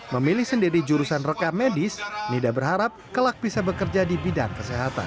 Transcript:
memilih sendiri jurusan rekam medis nida berharap kelak bisa bekerja di bidang kesehatan